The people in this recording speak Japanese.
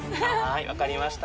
分かりました。